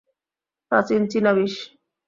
প্রাচীন চীনা বিষ।